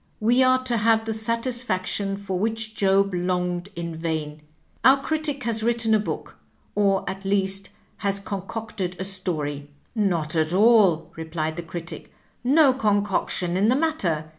We are to have the satisfaction for which Job longed in vain. Our Oritic has written a book, or at least has con cocted a story." "Not at all! " replied the Oritic; "no concoction in the mat ter.